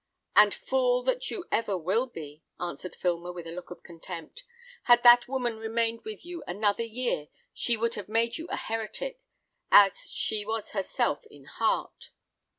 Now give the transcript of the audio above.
"And fool that you ever will be," answered Filmer, with a look of contempt. "Had that woman remained with you another year, she would have made you a heretic, as she was herself in heart."